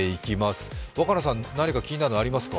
若菜さん何か気になるのありますか？